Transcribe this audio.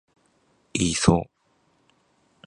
イーソー